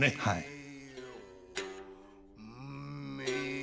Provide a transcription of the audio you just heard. はい。